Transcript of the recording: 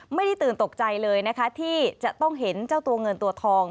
ไม่ได้ตื่นตกใจเลยนะคะที่จะต้องเห็นเจ้าตัวเงินตัวทอง